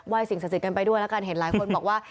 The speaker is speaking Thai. ไหว้สิ่งสะสิดกันไปด้วยแล้วกันเห็นหลายคนบอกว่า